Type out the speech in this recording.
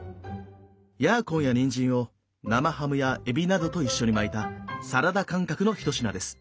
ヤーコンやにんじんを生ハムやエビなどと一緒に巻いたサラダ感覚の一品です。